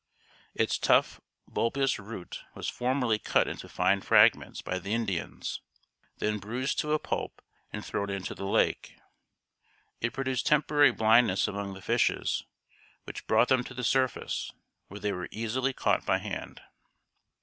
Its tough bulbous root was formerly cut into fine fragments by the Indians, then bruised to a pulp and thrown into the lake. It produced temporary blindness among the fishes, which brought them to the surface, where they were easily caught by hand.